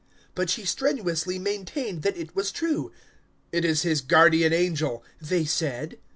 But she strenuously maintained that it was true. "It is his guardian angel," they said.